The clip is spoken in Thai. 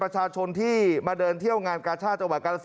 ใช่ครับ